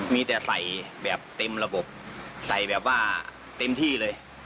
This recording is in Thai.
มีแต่ใส่แบบเต็มระบบใส่แบบว่าเต็มที่เลย